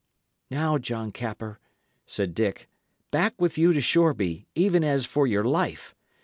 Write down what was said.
"Now, John Capper," said Dick, "back with you to Shoreby, even as for your life.